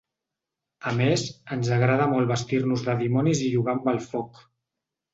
A més, ens agrada molt vestir-nos de dimonis i jugar amb el foc.